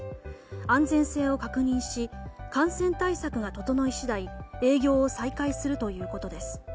安全性を確認し感染対策が整い次第営業を再開するということです。